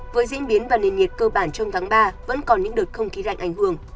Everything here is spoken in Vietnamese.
với diễn biến và nền nhiệt cơ bản trong tháng ba vẫn còn những đợt không khí lạnh ảnh hưởng